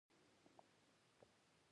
د کوډ کب نیول ډیر مشهور و.